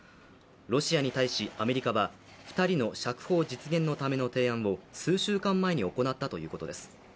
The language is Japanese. ロシアに対し、アメリカは２人の釈放実現のための提案を数週間前に行ったということです。